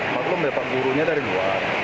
maklum dapat gurunya dari luar